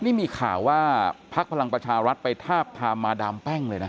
นี่มีข่าวว่าพักพลังประชารัฐไปทาบทามมาดามแป้งเลยนะ